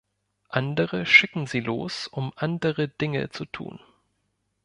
Andere schicken sie los, um andere Dinge zu tun.